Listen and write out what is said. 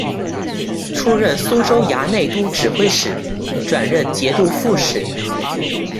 初任苏州牙内都指挥使，转任节度副使。